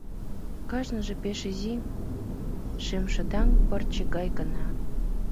Кажныже пеш изи, шемшыдаҥ пырче гай гына.